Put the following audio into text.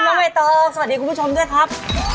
น้องเวลตาสวัสดีคุณผู้ชมด้วยครับ